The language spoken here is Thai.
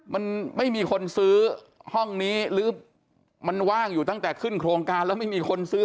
มันไม่มีคนซื้อห้องนี้หรือมันว่างอยู่ตั้งแต่ขึ้นโครงการแล้วไม่มีคนซื้อ